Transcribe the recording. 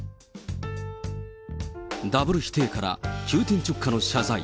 ダブル否定から急転直下の謝罪。